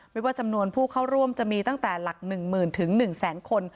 ไม่ว่าจำนวนผู้เข้าร่วมจะมีตั้งแต่หลัก๑๐๐๐๑แสนคน